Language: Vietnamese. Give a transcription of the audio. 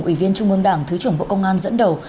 ủy viên trung ương đảng thứ trưởng bộ công an dẫn đầu